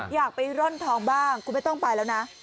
อยากไปร่อนทองบ้างคุณไม่ต้องไปแล้วนะ